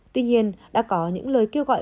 tuy nhiên đã có những lời kêu gọi